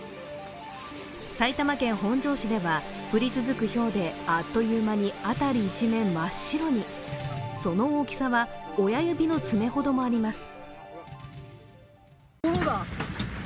埼玉県本庄市では、降り続くひょうであっという間に辺り一面、真っ白にその大きさは親指の爪ほどもあります。